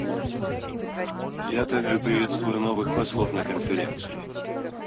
Я также приветствую новых послов на Конференции.